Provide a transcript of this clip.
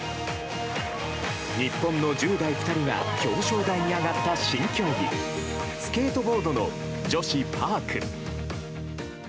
日本の１０代２人が表彰台に上がった新競技スケートボードの女子パーク。